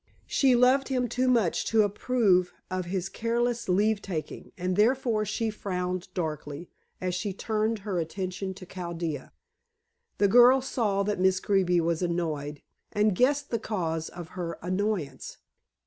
She loved him too much to approve of his careless leave taking, and therefore she frowned darkly, as she turned her attention to Chaldea. The girl saw that Miss Greeby was annoyed, and guessed the cause of her annoyance.